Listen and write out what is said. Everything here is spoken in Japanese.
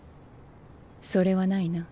それはないな。